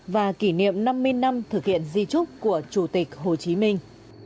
và kỷ niệm năm mươi năm thực hiện di trúc của chủ tịch hồ chí minh